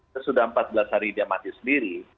terus sudah empat belas hari dia mati sendiri